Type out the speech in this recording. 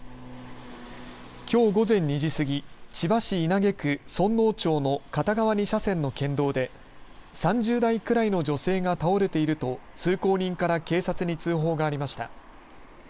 きょう午前２時過ぎ、千葉市稲毛区園生町の片側２車線の県道で３０代くらいの女性が倒れていると通行人から警察に通報がありました。